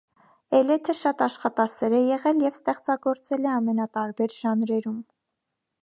Էլեթը շատ աշխատասեր է եղել և ստեղծագործել է ամենատարբեր ժանրերում։